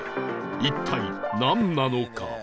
一体なんなのか？